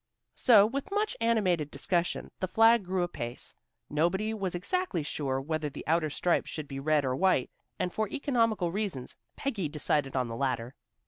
So with much animated discussion, the flag grew apace. Nobody was exactly sure whether the outer stripe should be red or white, and for economical reasons, Peggy decided on the latter.